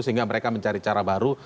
sehingga mereka mencari cara baru